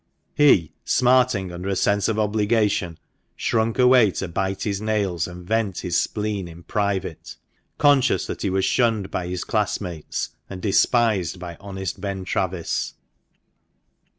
He, smarting under a sense of obligation, shrunk away to bite his nails and vent his spleen in private, conscious that he "was shunned by his classmates, and despised by honest Ben Travis.